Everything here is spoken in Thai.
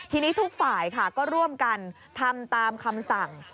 ทีนี้ทุกฝ่ายค่ะก็ร่วมกันทำตามคำสั่ง